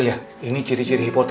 lepas itu aku akan mencoba